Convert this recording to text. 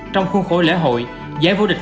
trong khuôn khổ lễ hội giải vô địch